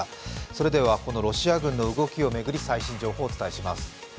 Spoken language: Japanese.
それではこのロシア軍の動きを巡り、最新情報をお伝えします。